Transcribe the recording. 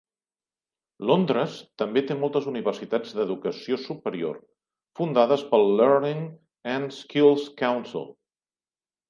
Londres també té moltes universitats d"educació superior fundades pel Learning and Skills Council.